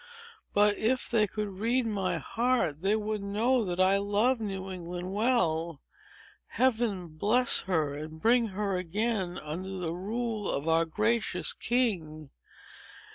"But, if they could read my heart, they would know that I love New England well. Heaven bless her, and bring her again under the rule of our gracious king!